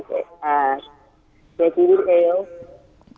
เจอชีวิตเอง